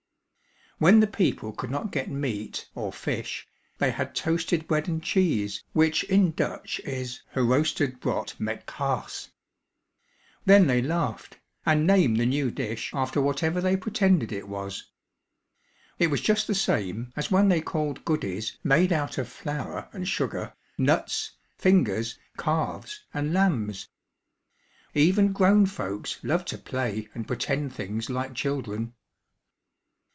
When the people could not get meat, or fish, they had toasted bread and cheese, which in Dutch is "geroostered brod met kaas." Then they laughed, and named the new dish after whatever they pretended it was. It was just the same, as when they called goodies, made out of flour and sugar, "nuts," "fingers," "calves" and "lambs." Even grown folks love to play and pretend things like children.